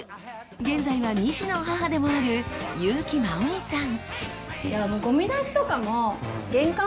現在は２児の母でもある優木まおみさん。